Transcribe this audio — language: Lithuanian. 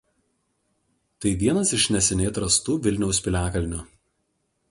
Tai vienas iš neseniai atrastų Vilniaus piliakalnių.